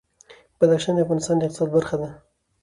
بدخشان د افغانستان د اقتصاد برخه ده.